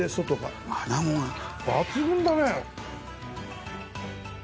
抜群だね。